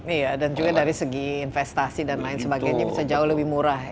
iya dan juga dari segi investasi dan lain sebagainya bisa jauh lebih murah ya